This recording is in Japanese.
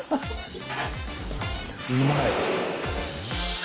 うまい。